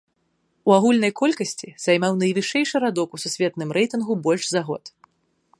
У агульнай колькасці займаў найвышэйшы радок у сусветным рэйтынгу больш за год.